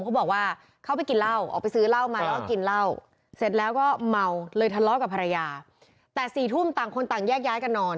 เขาบอกว่าเข้าไปกินเหล้าออกไปซื้อเหล้ามากินเหล้า